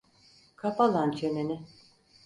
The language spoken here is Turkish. Kapa lan çeneni!